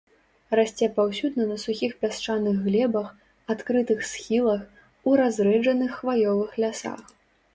Расце паўсюдна на сухіх пясчаных глебах, адкрытых схілах, у разрэджаных хваёвых лясах.